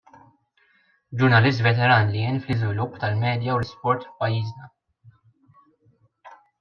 Ġurnalist veteran li għen fl-iżvilupp tal-medja u l-isport f'pajjiżna.